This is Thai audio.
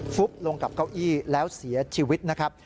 ฟุบลงกับเก้าอี้แล้วเสียชีวิตนะครับ